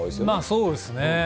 まあ、そうですね。